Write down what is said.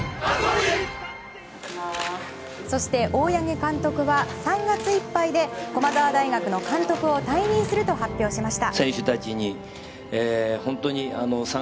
そして大八木監督は３月いっぱいで駒澤大学の監督を退任すると発表しました。